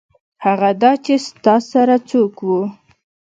هغه دا چې ستا سره څوک وو.